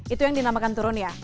itu yang dinamakan turun ya